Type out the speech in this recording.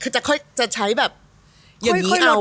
จะใช้แบบอย่างนี้เอา